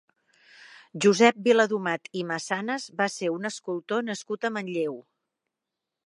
Josep Viladomat i Massanas va ser un escultor nascut a Manlleu.